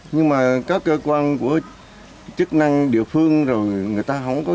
nhưng mà các cơ quan của chức năng địa phương